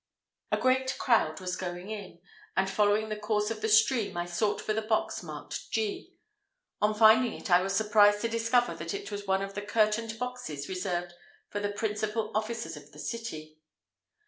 A great crowd was going in; and, following the course of the stream, I sought for the box marked G. On finding it, I was surprised to discover that it was one of the curtained boxes reserved for the principal officers of the city.